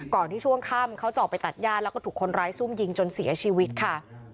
ก่อนที่ช่วงค่ำเขาจะออกไปตัดญาติแล้วก็ถูกคนร้ายซุ่มยิงจนเสียชีวิตค่ะ